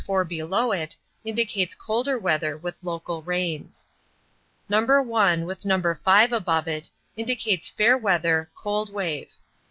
4 below it, indicates colder weather with local rains. No. 1, with No. 5 above it, indicates fair weather, cold wave.